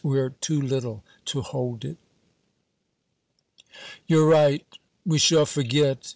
We're too little to hold it." "You're right, we shall forget!